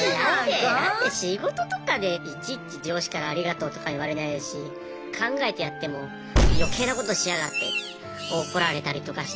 だって仕事とかでいちいち上司からありがとうとか言われないですし考えてやっても怒られたりとかして。